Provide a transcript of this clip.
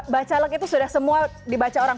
bacalek itu sudah semua dibaca orang